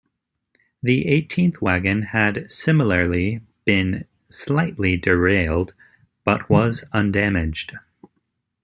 The eighteenth wagon had similarly been slightly derailed but was undamaged.